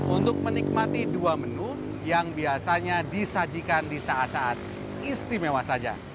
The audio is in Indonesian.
untuk menikmati dua menu yang biasanya disajikan di saat saat istimewa saja